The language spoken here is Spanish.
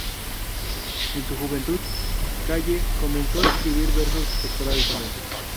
En su juventud, Kaye comenzó a escribir versos esporádicamente.